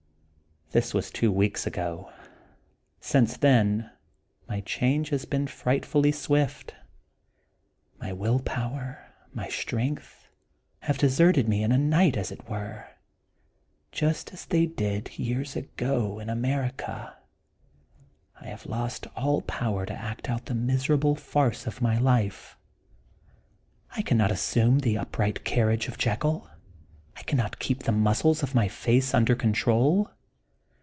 This was two weeks ago. Since then my change has been frightfully swift. My will power, my strength, have deserted me in a night, as it were, just as they did years ago in America. I have lost all power to act out the miserable farce of my life. I cannot assume the upright carriage of Jekyll; I cannot keep the muscles of my face under control.